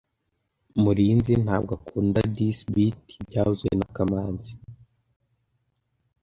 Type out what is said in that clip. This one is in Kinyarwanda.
Murinzi ntabwo akunda this bit byavuzwe na kamanzi